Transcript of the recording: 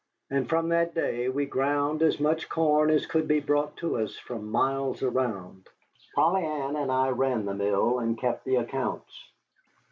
And from that day we ground as much corn as could be brought to us from miles around. Polly Ann and I ran the mill and kept the accounts.